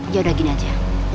ya udah gini aja